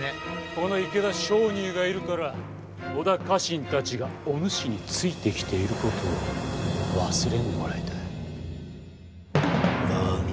この池田勝入がいるから織田家臣たちがお主についてきていることを忘れんでもらいたい。